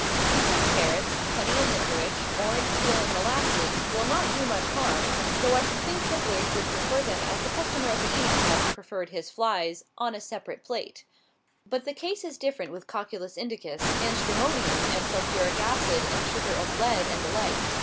Beets and carrots, honey and liquorice, orange peel and molasses, will not do much harm; though I should think tipplers would prefer them as the customer at the eating house preferred his flies, "on a separate plate." But the case is different with cocculus indicus, and stramonium, and sulphuric acid, and sugar of lead, and the like.